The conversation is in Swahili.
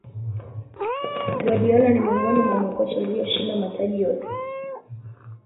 guardiola ni miongoni mwa makocha walioshinda mataji yote